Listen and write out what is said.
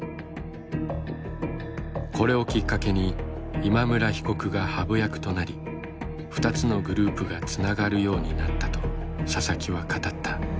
これをきっかけに今村被告がハブ役となり２つのグループがつながるようになったとササキは語った。